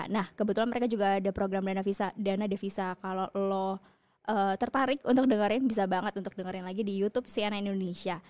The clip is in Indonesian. nah kebetulan mereka juga ada program dana devisa kalau lo tertarik untuk dengerin bisa banget untuk dengerin lagi di youtube cnn indonesia